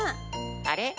あれ？